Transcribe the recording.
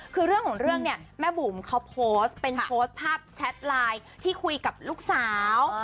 คือเรื่องของเรื่องเนี่ยแม่บุ๋มเขาโพสต์เป็นโพสต์ภาพแชทไลน์ที่คุยกับลูกสาว